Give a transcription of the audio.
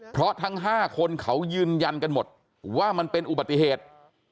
เพราะทั้ง๕คนเขายืนยันกันหมดว่ามันเป็นอุบัติเหตุ